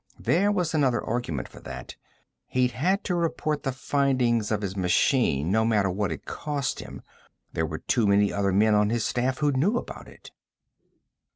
There was another argument for that: he'd had to report the findings of his machine no matter what it cost him; there were too many other men on his staff who knew about it.